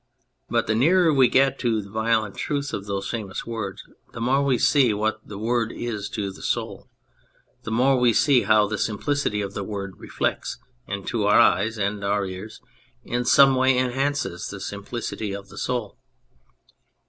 But the nearer we get to the violent truth of those famous words the more we see what the Word is to the Soul, the more we see how the simplicity of the Word reflects and, to our eyes (and our ears), in some way enhances the simplicity of the Soul.